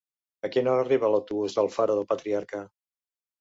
A quina hora arriba l'autobús d'Alfara del Patriarca?